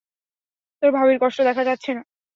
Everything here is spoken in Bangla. তোর ভাবির কষ্ট দেখা যাচ্ছে না।